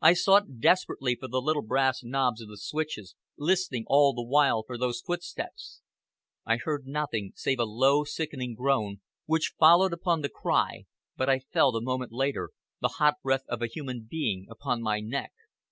I sought desperately for the little brass knobs of the switches, listening all the while for those footsteps. I heard nothing save a low, sickening groan, which followed upon the cry, but I felt, a moment later, the hot breath of a human being upon my neck.